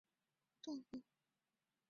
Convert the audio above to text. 辽宁冠蛭蚓为蛭蚓科冠蛭蚓属的动物。